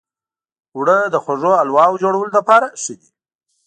اوړه د خوږو حلوو جوړولو لپاره ښه دي